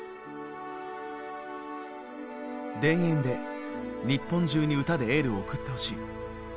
「田園」で日本中に歌でエールを送ってほしい。